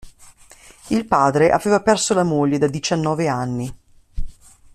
Il padre aveva perso la moglie da diciannove anni.